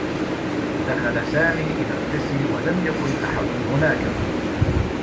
دخل سامي إلى القسم و لم يكن أحد هناك.